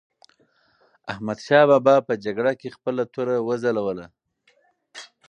احمدشاه بابا په جګړه کې خپله توره وځلوله.